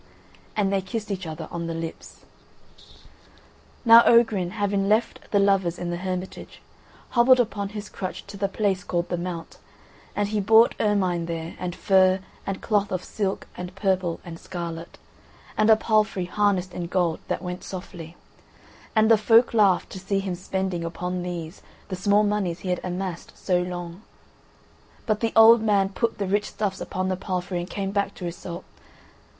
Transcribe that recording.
And they kissed each other on the lips. Now Ogrin, having left the lovers in the Hermitage, hobbled upon his crutch to the place called The Mount, and he bought ermine there and fur and cloth of silk and purple and scarlet, and a palfrey harnessed in gold that went softly, and the folk laughed to see him spending upon these the small moneys he had amassed so long; but the old man put the rich stuffs upon the palfrey and came back to Iseult.